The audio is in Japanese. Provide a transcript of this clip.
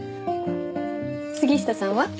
杉下さんは？